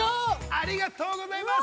ありがとうございます。